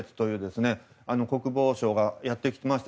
国防相がやってきまして。